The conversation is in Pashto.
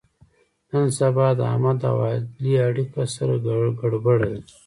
نن سبا د احمد او علي اړیکه سره ګړبړ ده.